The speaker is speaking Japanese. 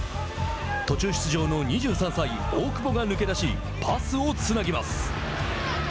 途中出場の２３歳大久保が抜け出しパスをつなぎます。